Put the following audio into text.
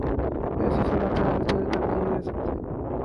ایسی صورتحال دیر تک نہیں رہ سکتی۔